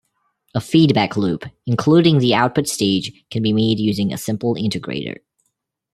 A feedback loop including the output stage can be made using a simple integrator.